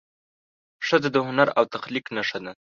ښځه د هنر او تخلیق نښه ده.